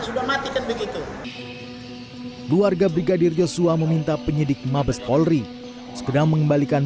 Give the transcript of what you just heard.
sudah matikan begitu keluarga brigadir yosua meminta penyidik mabes polri segera mengembalikan